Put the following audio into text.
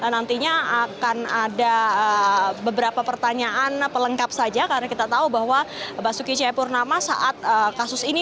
nantinya akan ada beberapa pertanyaan pelengkap saja karena kita tahu bahwa basuki cepurnama saat kasus ini